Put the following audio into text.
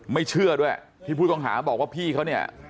ไม่เชื่อด้วยที่พูดกองหาบอกว่าพี่เขา